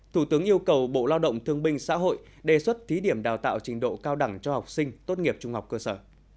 thủ tướng yêu cầu bộ lao động thương binh xã hội đề xuất thí điểm đào tạo trình độ cao đẳng cho học sinh tốt nghiệp trung học cơ sở